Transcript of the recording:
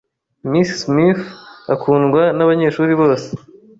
Miss Smith akundwa nabanyeshuri bose.